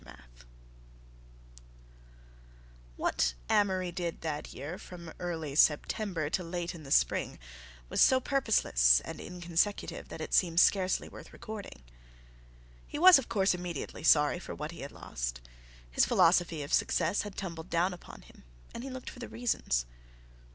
AFTERMATH What Amory did that year from early September to late in the spring was so purposeless and inconsecutive that it seems scarcely worth recording. He was, of course, immediately sorry for what he had lost. His philosophy of success had tumbled down upon him, and he looked for the reasons.